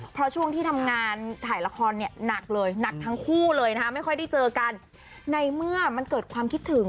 เพราะช่วงที่ทำงานถ่ายละครเนี่ยหนักเลยหนักทั้งคู่เลยนะคะไม่ค่อยได้เจอกันในเมื่อมันเกิดความคิดถึง